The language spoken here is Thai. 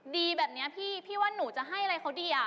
ดีแบบนี้พี่พี่ว่าหนูจะให้อะไรเขาดีอ่ะ